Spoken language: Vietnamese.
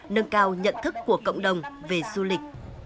nâng cao nhận thức của cộng đồng về du lịch